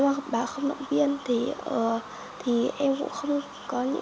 nếu mà bà không động viên thì em cũng không có những giấy khen học sinh giỏi